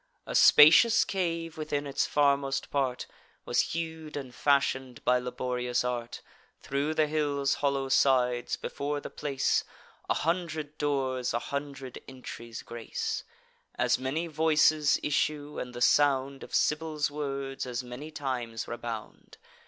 A spacious cave, within its farmost part, Was hew'd and fashion'd by laborious art Thro' the hill's hollow sides: before the place, A hundred doors a hundred entries grace; As many voices issue, and the sound Of Sybil's words as many times rebound.